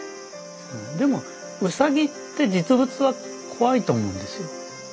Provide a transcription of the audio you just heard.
でもウサギって実物は怖いと思うんですよ。